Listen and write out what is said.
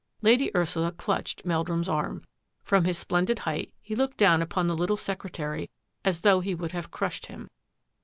Lady Ursula clutched Meldrum's arm. From his splendid height he looked down upon the little secretary as though he would have crushed him.